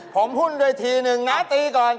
ผมหุ้นด้วยทีหนึ่งนะตีก่อน